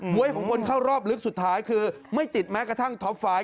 วยของคนเข้ารอบลึกสุดท้ายคือไม่ติดแม้กระทั่งท็อปไฟล